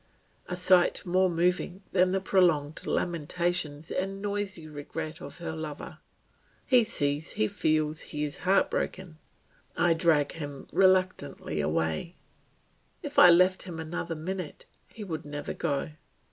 A sight more moving than the prolonged lamentations and noisy regrets of her lover! He sees, he feels, he is heartbroken. I drag him reluctantly away; if I left him another minute, he would never go.